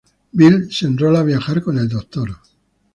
Bill se enrola a viajar con el Doctor.